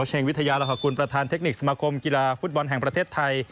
เชงวิทยาลหกุลประธานเทคนิคสมาคมกีฬาฟุตบอลแห่งประเทศไทย